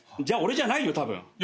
じゃあ俺じゃないよたぶん。